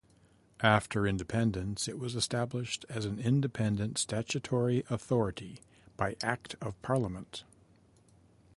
After independence it was established as an independent statutory authority by Act of Parliament.